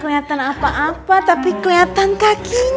bukan apa apa tapi keliatan kakinya